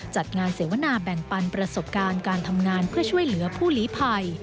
จัดงานเสวนาแบ่งปันประสบการณ์การทำงานเพื่อช่วยเหลือผู้หลีภัย